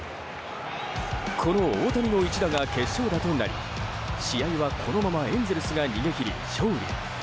この大谷の一打が決勝打となり試合はこのままエンゼルスが逃げ切り勝利。